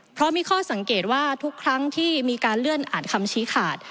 เพราะมีข้อสังเกตว่าทุกครั้งที่มีการเลื่อนอ่านคำชี้ขาด